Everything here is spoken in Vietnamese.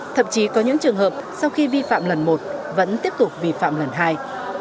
thậm chí có những trường hợp sau khi vi phạm lần một vẫn tiếp tục vi phạm lần hai